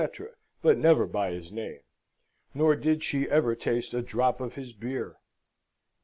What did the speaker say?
but never by his name; nor did she ever taste a drop of his beer.